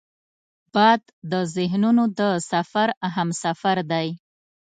باد د ذهنونو د سفر همسفر دی